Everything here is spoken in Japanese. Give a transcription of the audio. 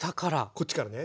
こっちからね。